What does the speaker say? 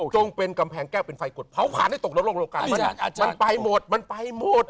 จงเป็นกำแพงแก้วเป็นไฟกดเผาผ่านให้ตกลงกันมันไปหมดมันไปหมด